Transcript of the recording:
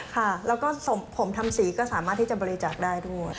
ค่ะแล้วก็ผมทำสีก็สามารถที่จะบริจาคได้ด้วย